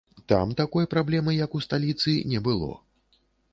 Там такой праблемы, як у сталіцы, не было.